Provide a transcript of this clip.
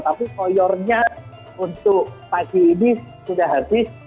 tapi koyornya untuk pagi ini sudah habis